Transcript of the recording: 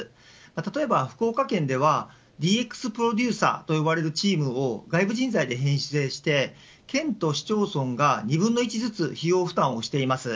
例えば福岡県ではＤＸプロデューサーと呼ばれる地位も外部人材で編成して県と市町村が２分１の１ずつ費用負担しています。